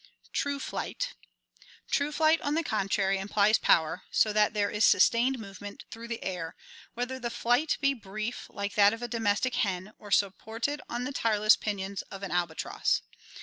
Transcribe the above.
True Flight. — True flight, on the contrary, implies power, so that there is sustained movement through the air, whether the flight be brief like that of a domestic hen or supported on the tire less pinions of an albatross.